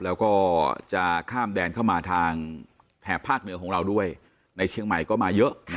แล้วก็จะข้ามแดนเข้ามาทางแถบภาคเหนือของเราด้วยในเชียงใหม่ก็มาเยอะ